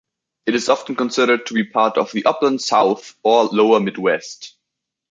It is often considered to be part of the Upland South or lower Midwest.